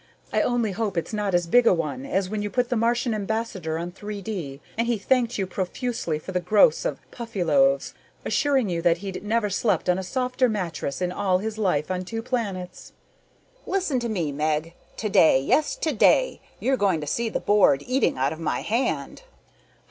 I only hope it's not as big a one as when you put the Martian ambassador on 3D and he thanked you profusely for the gross of Puffyloaves, assuring you that he'd never slept on a softer mattress in all his life on two planets." "Listen to me, Meg. Today yes, today! you're going to see the Board eating out of my hand."